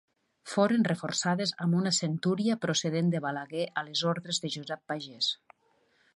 Foren reforçades amb una centúria procedent de Balaguer a les ordres de Josep Pagés.